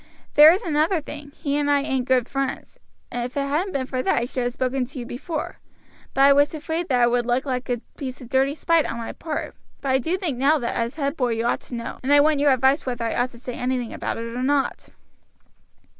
There is another thing; he and I ain't good friends. If it hadn't been for that I should have spoken to you before; but I was afraid that it would look like a piece of dirty spite on my part; but I do think now that as head boy you ought to know, and I want your advice whether I ought to say anything about it or not."